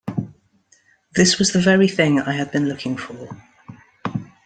This was the very thing I had been looking for.